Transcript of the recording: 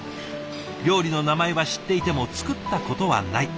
料理の名前は知っていても作ったことはない。